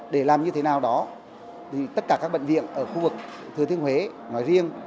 để làm như thế nào đó thì tất cả các bệnh viện ở khu vực thừa thiên huế nói riêng